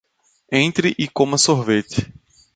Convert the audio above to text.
Entre e coma sorvete